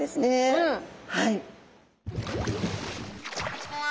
はい。